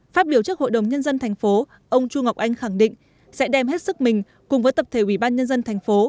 phát biểu trước hội đồng nhân dân tp ông chu ngọc anh khẳng định sẽ đem hết sức mình cùng với tập thể ủy ban nhân dân tp